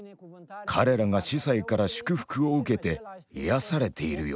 彼らが司祭から祝福を受けて癒やされている様子を。